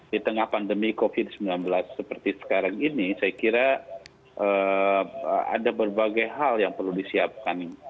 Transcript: di tengah pandemi covid sembilan belas seperti sekarang ini saya kira ada berbagai hal yang perlu disiapkan